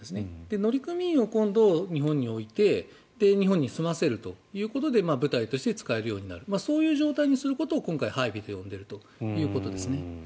乗組員を今度日本に置いて日本に住ませるということで部隊として使えるようになるそういう状態にすることを今回、配備と呼んでいるということですね。